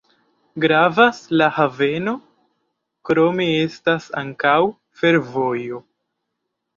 Gravas la haveno, krome estas ankaŭ fervojo.